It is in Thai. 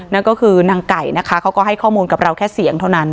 นั่นก็คือนางไก่นะคะเขาก็ให้ข้อมูลกับเราแค่เสียงเท่านั้น